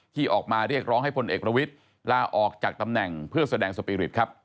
ที่ออกมาเรียกร้องให้พลเอกประวิทย์ลาออกจากตำแหน่งเพื่อแสดงสปีริตครับ